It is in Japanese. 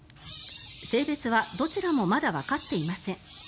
性別はどちらもまだわかっていません。